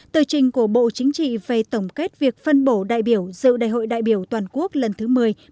tờ trình của bộ chính trị về tổng kết việc phân bổ đại biểu dự đại hội đại biểu toàn quốc lần thứ một mươi một mươi một một mươi hai